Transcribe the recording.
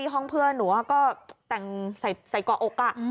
ห้องเพื่อนหนูเขาก็แต่งใส่ก่ออก